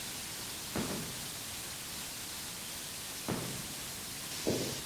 د حمام پر وخت د اوبو کنټرول د سپما یو مهم اصل بلل کېږي.